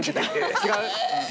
違う？